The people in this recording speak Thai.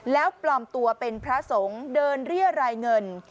แล้วปลอมตัวเป็นพระสงฆ์เดินเรียรายเงิน